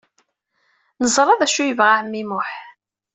Neẓra d acu ay yebɣa ɛemmi Muḥ.